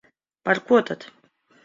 Par ko tad?